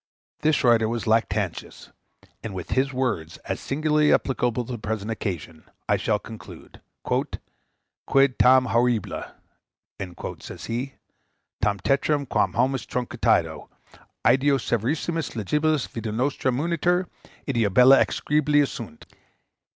This writer was Lactantius; and with his words, as singularly applicable to the present occasion, I shall conclude: "Quid tam horribile," says he, "tam tetrum, quam hominis trucidatio? Ideo severissimis legibus vita nostra munitur; ideo bella execrabilia sunt.